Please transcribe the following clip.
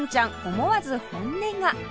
思わず本音が